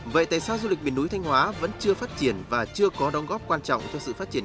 vậy tại sao du lịch miền núi thanh hóa vẫn chưa phát triển và chưa có đóng góp quan trọng cho sự phát triển